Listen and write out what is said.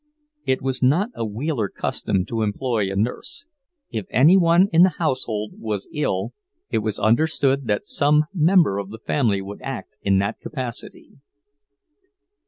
It was not a Wheeler custom to employ a nurse; if any one in the household was ill, it was understood that some member of the family would act in that capacity.